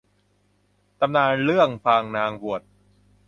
ตำนานเรื่องบางนางบวช